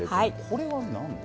これは何だ？